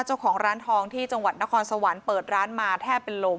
เจ้าของร้านทองที่จังหวัดนครสวรรค์เปิดร้านมาแทบเป็นลม